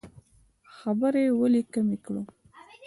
خبرې ولې کمې کړو؟